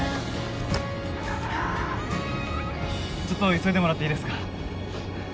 ちょっと急いでもらっていいですか？